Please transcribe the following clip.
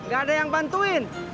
gak ada yang bantuin